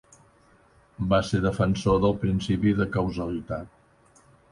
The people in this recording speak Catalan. Va ser defensor del principi de causalitat.